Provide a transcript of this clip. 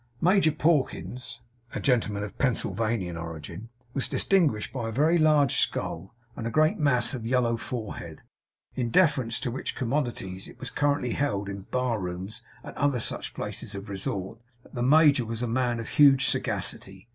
Major Pawkins (a gentleman of Pennsylvanian origin) was distinguished by a very large skull, and a great mass of yellow forehead; in deference to which commodities it was currently held in bar rooms and other such places of resort that the major was a man of huge sagacity.